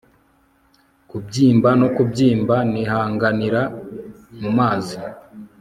Kubyimba no kubyimba Nihanganira mumazi